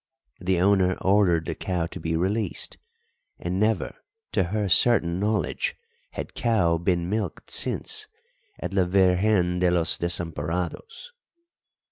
The owner ordered the cow to be released, and never, to her certain knowledge, had cow been milked since at La Virgen de los Desamparados.